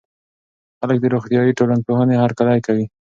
خلګ د روغتيائي ټولنپوهنې هرکلی کوي.